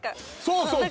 そうそう！